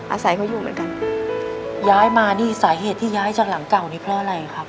อาศัยเขาอยู่เหมือนกันย้ายมานี่สาเหตุที่ย้ายจากหลังเก่านี้เพราะอะไรครับ